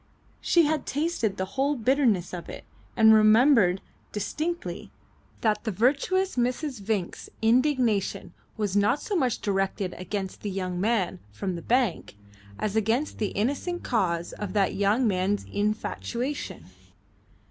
She had tasted the whole bitterness of it and remembered distinctly that the virtuous Mrs. Vinck's indignation was not so much directed against the young man from the bank as against the innocent cause of that young man's infatuation.